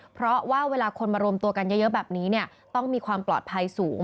เพราะว่าเวลาคนมารวมตัวกันเยอะแบบนี้ต้องมีความปลอดภัยสูง